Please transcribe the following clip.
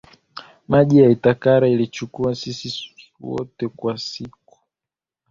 maji ya Itacara Ilichukua sisi wote wa siku